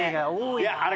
いやあれ